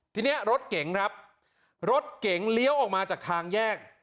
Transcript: ทีนี้รถเก๋งครับรถเก๋งเลี้ยวออกมาจากทางแยก